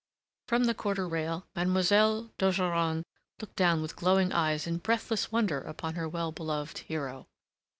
From the quarter rail Mademoiselle d'Ogeron looked down with glowing eyes in breathless wonder upon her well beloved hero.